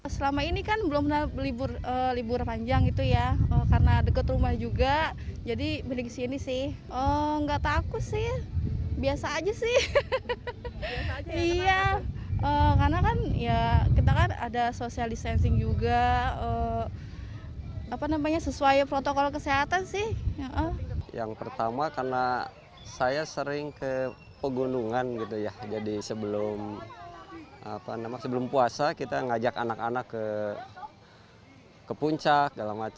sebelum puasa kita mengajak anak anak ke puncak